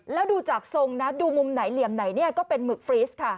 แล้วดูจากทรงน่ะมุมหน่อยเหลี่ยมไหนก็เป็นหมึกฟรีสท์ค่ะ